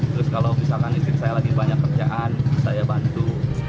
terus kalau misalkan istri saya lagi banyak kerjaan saya bantu